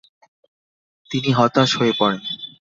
তিনি হতাশ হয়ে পড়েন।